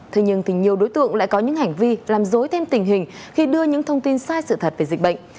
thế nhưng nhiều đối tượng lại có những hành vi làm dối thêm tình hình khi đưa những thông tin sai sự thật về dịch bệnh